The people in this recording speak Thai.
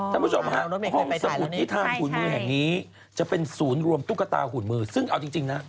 ท่านผู้ชมฮะห้องสมุดนิทานหุ่นมือแห่งนี้จะเป็นศูนย์รวมตุ๊กตาหุ่นมือซึ่งเอาจริงนะ